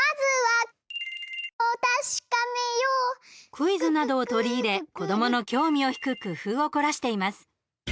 クイズなどを取り入れ子どもの興味を引く工夫を凝らしています。